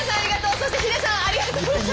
そして秀さんありがとうございます。